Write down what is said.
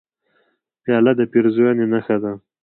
پیاله د پیرزوینې نښه ده.